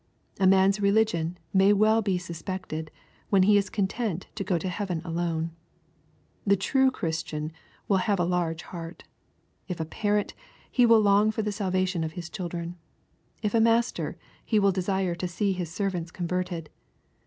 A man's religion may well be suspected, when he is content to go to heaven alone. The true Christian will have a large heart. If a parent, he will long for the salvation of his children. If a master, he will desire to see his servants converted.